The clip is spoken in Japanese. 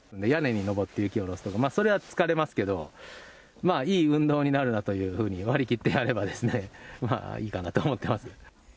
屋根に上って雪を下ろすとか、それは結構疲れますけど、いい運動になるなというふうに割り切ってやればですね、いいかなと思っています。